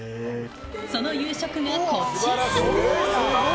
その夕食がこちらです。